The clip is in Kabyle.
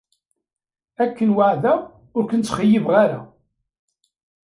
Ad ken-weɛdeɣ ur ken-ttxeyyibeɣ ara.